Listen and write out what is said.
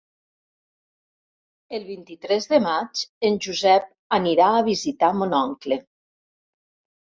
El vint-i-tres de maig en Josep anirà a visitar mon oncle.